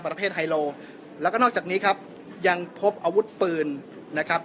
ไฮโลแล้วก็นอกจากนี้ครับยังพบอาวุธปืนนะครับ